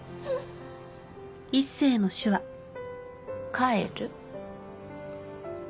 「帰る」？